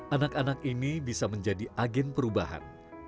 anak anak ini bisa menjadi agen perubahan